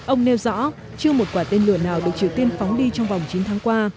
ông nêu rõ chưa một quả tên lửa nào được triều tiên phóng đi trong vòng chín tháng qua